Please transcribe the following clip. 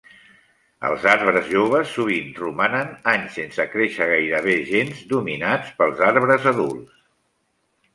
Els arbres joves sovint romanen anys sense créixer gairebé gens dominats pels arbres adults.